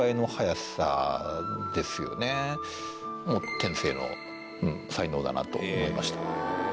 天性の才能だなと思いました。